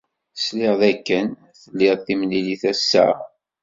Sliɣ dakken tlid timlilit ass-a.